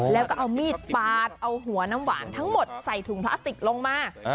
แล้วก็เอามีดปาดเอาหัวน้ำหวานทั้งหมดใส่ถุงพลาสติกลงมา